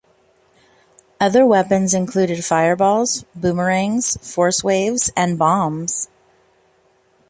Other weapons included fireballs, boomerangs, 'force-waves,' and bombs.